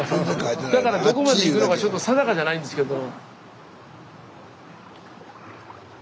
だからどこまで行くのかちょっと定かじゃないんですけど。